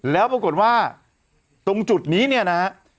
แล้วปรากฏว่าตรงจุดนี้นะครับ